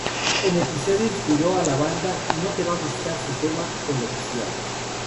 El episodio inspiró a la banda No Te Va Gustar su tema El oficial.